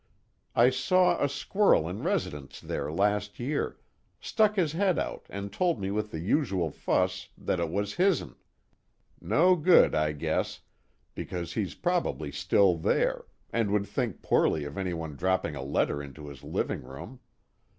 I saw a squirrel in residence there last year, stuck his head out and told me with the usual fuss that it was his'n. No good, I guess, because he's probably still there, and would think poorly of anyone dropping a letter into his living room.